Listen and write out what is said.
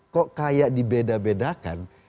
kok kayak dibeda bedakan